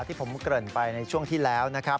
ที่ผมเกริ่นไปในช่วงที่แล้วนะครับ